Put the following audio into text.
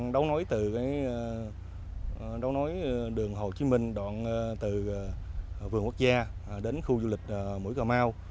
đấu nối từ đấu nối đường hồ chí minh đoạn từ vườn quốc gia đến khu du lịch mũi cà mau